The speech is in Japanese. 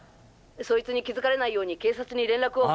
そいつに気付かれないように警察に連絡を。